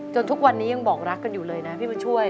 ทุกวันนี้ยังบอกรักกันอยู่เลยนะพี่บุญช่วย